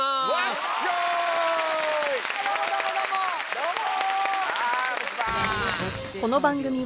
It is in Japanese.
どうも！